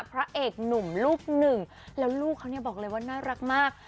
พระเอกหนุ่มรูปหนึ่งแล้วลูกเขาเนี่ยบอกเลยว่าน่ารักมาก